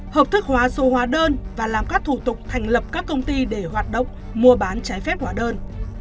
hợp thức hóa số hóa đơn và làm các thủ tục thành lập các công ty để hoạt động mua bán trái phép hóa đơn